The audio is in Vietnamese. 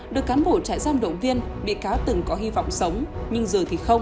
được cán bộ trại giam động viên bị cáo từng có hy vọng sống nhưng giờ thì không